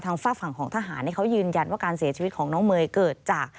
ฝากฝั่งของทหารเขายืนยันว่าการเสียชีวิตของน้องเมย์เกิดจาก